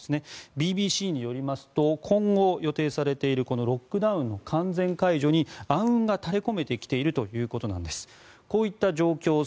ＢＢＣによりますと今後予定されているこのロックダウンの完全解除に暗雲が垂れ込めてきているということなんです。